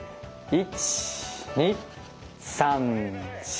１２３４。